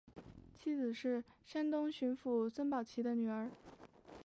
妻子是山东巡抚孙宝琦的女儿。